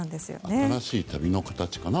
新しい旅の形かな。